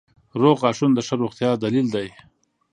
• روغ غاښونه د ښه روغتیا دلیل دی.